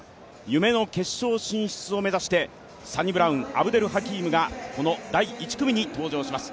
夢の決勝進出を目指してサニブラウン・アブデルハキームがこの第１組に登場します。